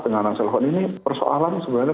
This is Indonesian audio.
dengan ransel hoon ini persoalan sebenarnya